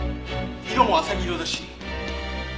色も浅葱色だし。